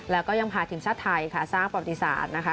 แล้วก็ยังพาทีมชาติไทยค่ะสร้างประวัติศาสตร์นะคะ